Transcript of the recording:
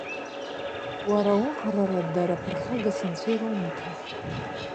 Уара уӷрара дара ԥырхагас анцәа ирумҭан.